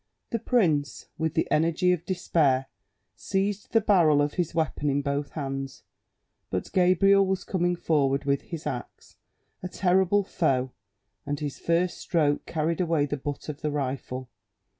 The prince, with the energy of despair, seized the barrel of his weapon in both hands; but Gabriel was coming forward with his axe, a terrible foe, and his first stroke carried away the butt of the rifle.